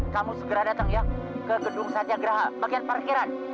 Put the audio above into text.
kamu segera datang ya ke gedung saja geraha bagian parkiran